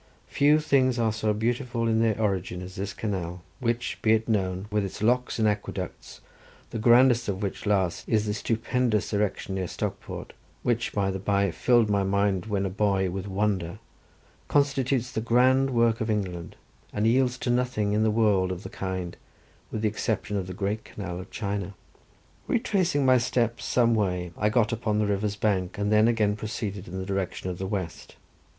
Few things are so beautiful in their origin as this canal, which, be it known, with its locks and its aqueducts, the grandest of which last is the stupendous erection near Stockport, which by the bye filled my mind when a boy with wonder, constitutes the grand work of England, and yields to nothing in the world of the kind, with the exception of the great canal of China. Retracing my steps some way I got upon the river's bank and then again proceeded in the direction of the west.